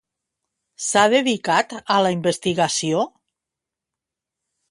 S'ha dedicat a la investigació?